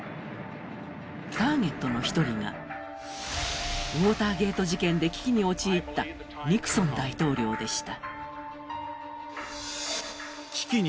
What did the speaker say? ターゲットの１人がウォーターゲート事件で危機に陥ったニクソン大統領でした。